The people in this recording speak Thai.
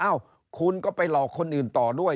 เอ้าคุณก็ไปหลอกคนอื่นต่อด้วย